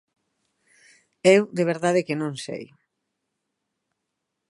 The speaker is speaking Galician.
Eu de verdade que non sei.